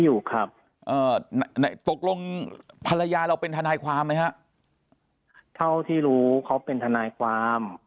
อยู่ครับตกลงภรรยาเราเป็นทนายความไหมฮะเท่าที่รู้เขาเป็นทนายความ